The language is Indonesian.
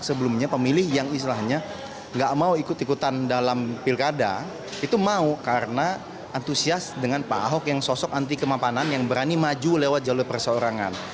sebelumnya pemilih yang istilahnya nggak mau ikut ikutan dalam pilkada itu mau karena antusias dengan pak ahok yang sosok anti kemampanan yang berani maju lewat jalur perseorangan